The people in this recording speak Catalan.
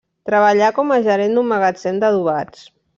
Treballà com a gerent d'un magatzem d'adobats.